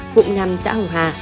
cụm năm xã hồng hà